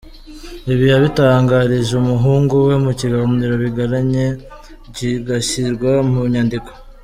Ibi yabitangarije umuhungu we mu kiganiro bagiranye kigashyirwa mu nyandiko.